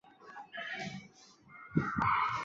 凤鸣古冢的历史年代为宋代。